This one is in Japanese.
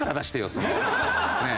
そのねえ。